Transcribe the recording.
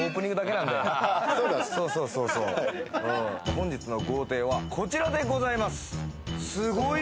本日の豪邸はこちらでございます。